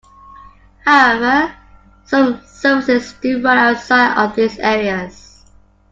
However, some services do run outside of these areas.